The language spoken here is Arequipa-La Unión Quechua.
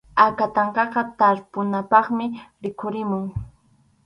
Akatanqaqa tarpunapaqmi rikhurimun.